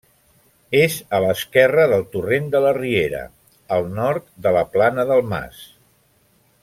És a l'esquerra del torrent de la Riera, al nord de la Plana del Mas.